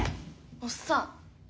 おっさん頭